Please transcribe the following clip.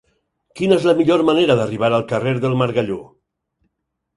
Quina és la millor manera d'arribar al carrer del Margalló?